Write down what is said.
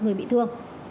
một người bị thua